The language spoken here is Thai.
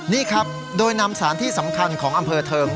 นี่ครับโดยนำสารที่สำคัญของอำเภอเทิง